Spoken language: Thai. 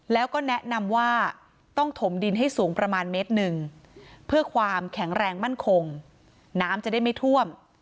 แล้วก็แนะนำว่าต้องถมดินให้สูงประมาณเมตรหนึ่งเพื่อความแข็งแรงมั่นคงน้ำจะได้ไม่ท่วม